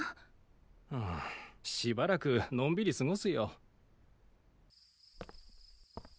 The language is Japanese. うんしばらくのんびり過ごすよ。